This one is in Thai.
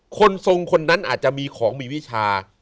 คนทรงคนนั้นอาจจะมีของมีวิชา